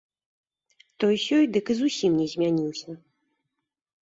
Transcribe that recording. Той-сёй дык і зусім не змяніўся.